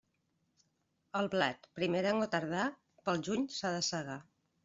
El blat, primerenc o tardà, pel juny s'ha de segar.